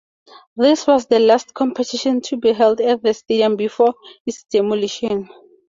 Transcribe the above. This was the last competition to be held at the stadium before its demolition.